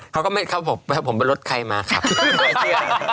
เขาก็ไม่ครับผมเป็นรถใครมาขับไม่เชื่อ